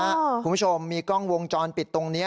คุณผู้ชมมีกล้องวงจรปิดตรงนี้